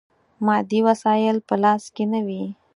مادي وسایل په لاس کې نه وي.